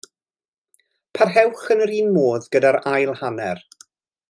Parhewch yn yr un modd gyda'r ail hanner.